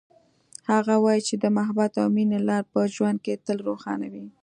هغه وایي چې د محبت او مینې لار په ژوند کې تل روښانه وي